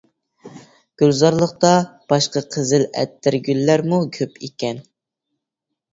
گۈلزارلىقتا باشقا قىزىل ئەتىر گۈللەرمۇ كۆپ ئىكەن.